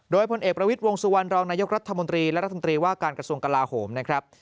โดยพลเอกประวิทย์วงสุวรรณรองนายกรัฐมนตรีและรัฐมนตรีว่าการกระทรวงกลาโหมนะครับ